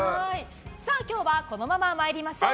今日はこのまま参りましょう。